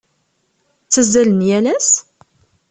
Ttazzalen yal ass?